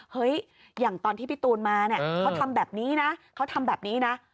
เฮ้ยอย่างตอนที่พี่ตูนมาเนี่ยเขาทำแบบนี้นะเขาทำแบบนี้นะ